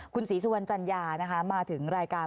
คุณศรีสุวรรณจัญญานะคะมาถึงรายการ